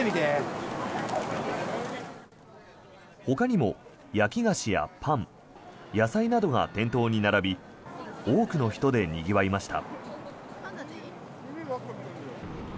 ほかにも焼き菓子やパン野菜などが店頭に並び多くの人でにぎわいました。